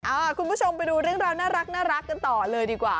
คุณผู้ชมไปดูเรื่องราวน่ารักกันต่อเลยดีกว่า